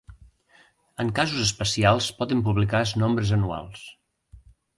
En casos especials poden publicar-se nombres anuals.